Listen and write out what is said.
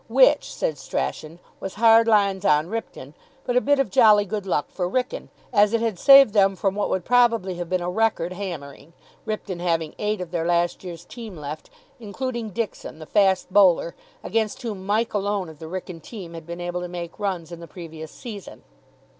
Which, said Strachan, was hard lines on Ripton, but a bit of jolly good luck for Wrykyn, as it had saved them from what would probably have been a record hammering, Ripton having eight of their last year's team left, including Dixon, the fast bowler, against whom Mike alone of the Wrykyn team had been able to make runs in the previous season.